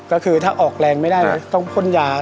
ก็คือถ้าออกแรงไม่ได้เลยต้องพ่นยา